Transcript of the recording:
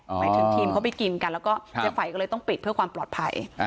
หมายถึงทีมเขาไปกินกันแล้วก็เจ๊ไฟก็เลยต้องปิดเพื่อความปลอดภัย